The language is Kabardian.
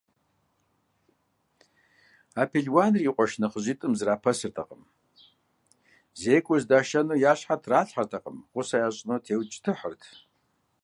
А пелуаныр и къуэш нэхъыжьитӏым зэрапэсыртэкъым: зекӏуэ здашэну я щхьэ тралъхьэртэкъым, гъусэ ящӏыну теукӏытыхьырт.